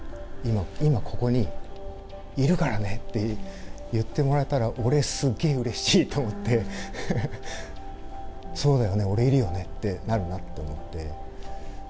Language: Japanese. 今ここにいるからねって言ってもらえたら俺、すげえうれしいと思って、そうだよね、俺いるよねってなるなって思って。